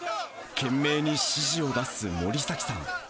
懸命に指示を出す森崎さん。